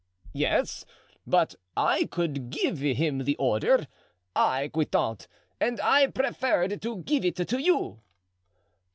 "Yes, but I could give him the order—I, Guitant—and I preferred to give it to you."